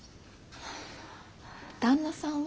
旦那さんは？